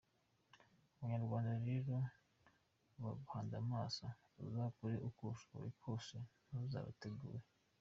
Abanyarwanda rero baguhanze amaso, uzakore uko ushoboye kose, ntuzabatenguhe !